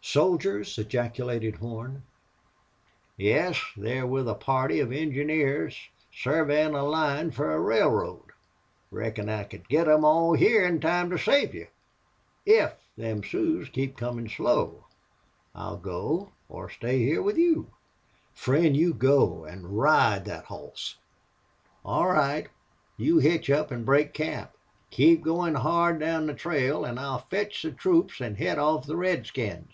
"Soldiers!" ejaculated Horn. "Yes. They're with a party of engineers surveyin' a line fer a railroad. Reckon I could git them all hyar in time to save you IF them Sioux keep comin' slow.... I'll go or stay hyar with you." "Friend, you go an' ride thet hoss!" "All right. You hitch up an' break camp. Keep goin' hard down the trail, an' I'll fetch the troops an' head off the redskins."